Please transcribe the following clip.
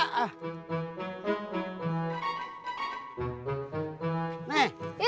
padahal behavi roman